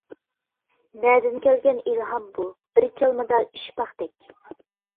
نەدىن كەلگەن ئىلھام بۇ، بىر چالمىدا ئۈچ پاختەك.